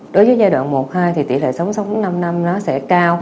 đối với giai đoạn một hai thì tỷ lệ sống sống năm năm nó sẽ cao